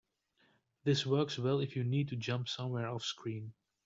This works well if you need to jump somewhere offscreen.